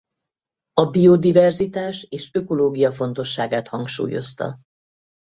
A biodiverzitás és ökológia fontosságát hangsúlyozta.